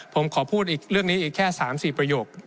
ผมขอพูดอีกเรื่องนี้อีกแค่๓๔ประโยค